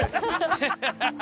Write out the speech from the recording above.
ハハハハ！